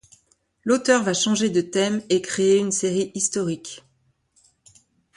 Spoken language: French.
L'auteur va changer de thème et créer une série historique.